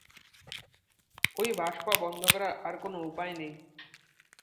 ওই বাষ্প বন্ধ করার আর কোনো উপায় নেই।